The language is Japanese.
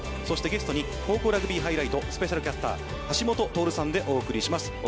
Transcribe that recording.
そしてゲストに高校ラグビーハイライトスペシャルキャスター、橋下徹さんでお送りします。